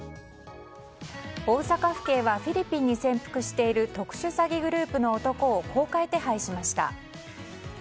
大阪府警はフィリピンに潜伏している特殊詐欺グループの男を公開手配しました。